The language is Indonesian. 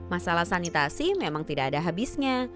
masalah sanitasi memang tidak ada habisnya